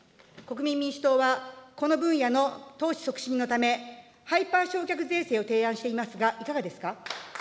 国民民主党は、この分野の投資促進のため、ハイパー償却税制を提案していますが、いかがですか。